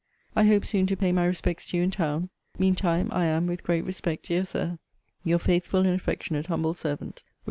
I hope soon to pay my respects to you in town. Mean time, I am, with great respect, dear Sir, Your faithful and affectionate humble servant, WM.